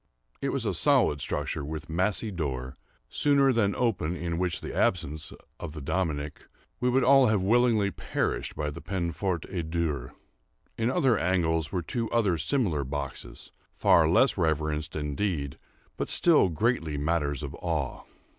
It was a solid structure, with massy door, sooner than open which in the absence of the "Dominie," we would all have willingly perished by the peine forte et dure. In other angles were two other similar boxes, far less reverenced, indeed, but still greatly matters of awe.